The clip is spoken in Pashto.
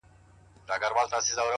وسلوال غله خو د زړه رانه وړلای نه سي!